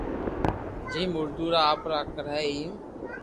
جيم اردو را آپرا اکر ھي ايم